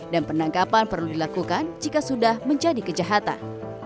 dan penangkapan perlu dilakukan jika sudah menjadi kejahatan